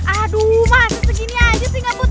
aduh masih segini aja sih ngebut